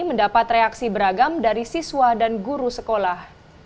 mendapat reaksi beragam dari siswa dan guru sekolah